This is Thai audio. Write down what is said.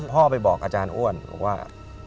พ่อไปบอกอาจารย์อ้วนบอกว่า